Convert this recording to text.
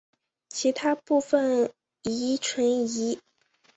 其他部分亦存疑。